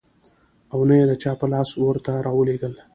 او نه يې د چا په لاس ورته راولېږل .